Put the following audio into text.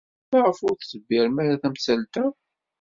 Maɣef ur d-tebdirem ara tamsalt-a?